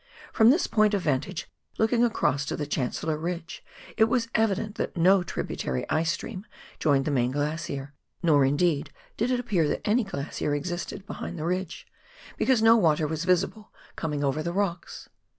From this point of vantage looking across to the Chancellor Ridge, it was evident that no tributary ice stream joined the main glacier, nor indeed did it appear that any glacier existed behind the ridge, because no water was visible coming over the rocks.